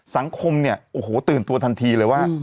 สังคมเนี่ยโอ้โหตื่นตัวทันทีเลยว่า